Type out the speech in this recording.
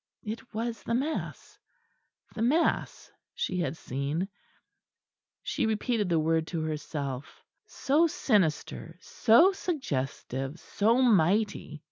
It was the mass the mass she had seen she repeated the word to herself, so sinister, so suggestive, so mighty.